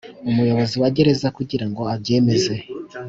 Umuyobozi wa Gereza kugira ngo abyemeze